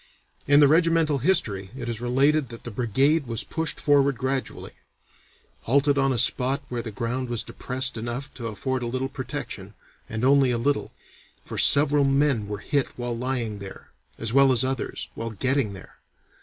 In the regimental history it is related that the brigade was pushed forward gradually, "halted on a spot where the ground was depressed enough to afford a little protection, and only a little, for several men were hit while lying there, as well as others, while getting there.